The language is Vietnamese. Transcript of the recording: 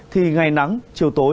thì ngày nắng chiều tối